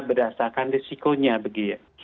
berdasarkan risikonya begitu